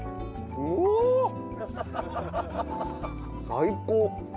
最高！